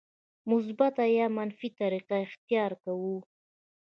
مثبته یا منفي طریقه اختیار کوو.